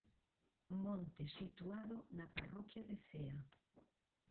Monte situado na parroquia de Cea.